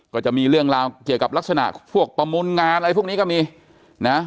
ก็จะมีเรื่องราวเกี่ยวกับลักษณะพวกประมูลงานอะไรพวกนี้ก็มีนะ